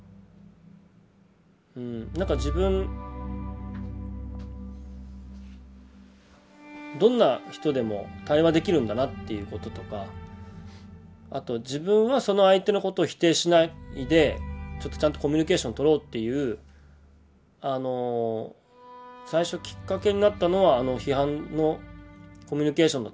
なんか自分どんな人でも対話できるんだなっていうこととかあと自分はその相手のことを否定しないでちゃんとコミュニケーションとろうっていう最初きっかけになったのはあの批判のコミュニケーションだったかなと思ってますね。